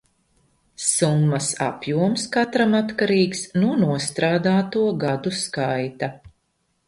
Summas apjoms katram atkarīgs no nostrādāto gadu skaita.